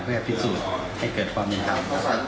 เพื่อพิสูจน์ให้เกิดความยังทำ